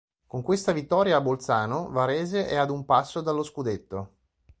Con questa vittoria a Bolzano, Varese è ad un passo dallo scudetto.